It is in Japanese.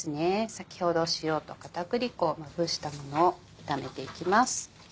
先ほど塩と片栗粉をまぶしたものを炒めていきます。